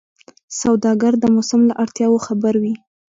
سوداګر د موسم له اړتیاوو خبر وي.